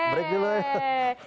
break dulu ya